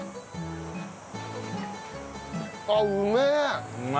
あっうめえ！